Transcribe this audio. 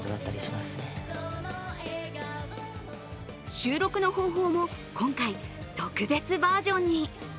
収録の方法も今回特別バージョンに。